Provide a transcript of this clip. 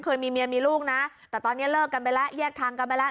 เคยมีเมียมีลูกนะแต่ตอนนี้เลิกกันไปแล้วแยกทางกันไปแล้ว